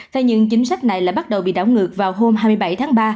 thế nhưng chính sách này lại bắt đầu bị đảo ngược vào hôm hai mươi bảy tháng ba